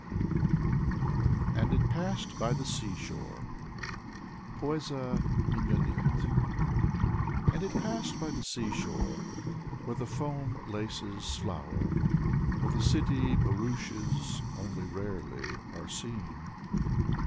155 156 Igor Severyanin AND IT PASSED BY THE SEA SHORE Pocza Mignonette And it passed by the sea shore, where the foam laces flower, Where the city barouches only rarely are seen.